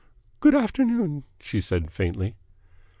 "Good afternoon," she said faintly.